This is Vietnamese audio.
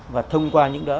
và thông qua những đó